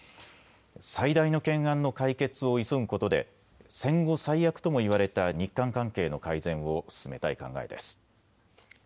最大の懸案の解決を急ぐことで戦後最悪とも言われた日韓関係の改善を進めたい考えです。